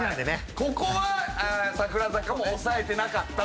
ここは櫻坂も押さえてなかったと。